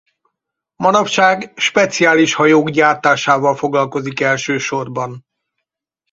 Manapság speciális hajók gyártásával foglalkozik elsősorban.